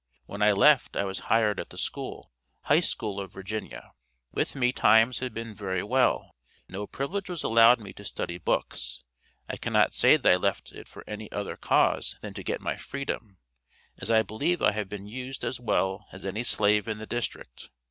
When I left I was hired at the school High School of Virginia. With me times had been very well. No privilege was allowed me to study books. I cannot say that I left for any other cause than to get my freedom, as I believe I have been used as well as any slave in the District.